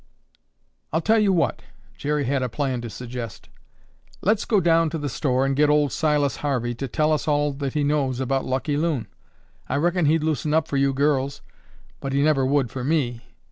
"I'll tell you what." Jerry had a plan to suggest. "Let's go down to the store and get old Silas Harvey to tell us all that he knows about Lucky Loon. I reckon he'd loosen up for you girls, but he never would for me.